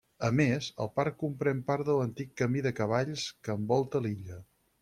A més, el parc comprèn part de l'antic Camí de Cavalls que envolta l'illa.